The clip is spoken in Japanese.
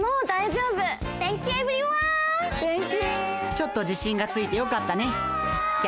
ちょっとじしんがついてよかったねき